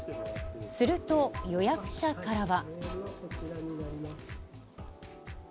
すると、予約者からは。